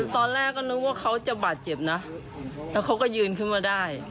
ตอนแรกก็นึกว่าเขาจะบาดเจ็บนะแล้วเขาก็ยืนขึ้นมาได้